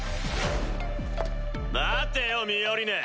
待てよミオリネ。